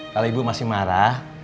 kalo ibu masih marah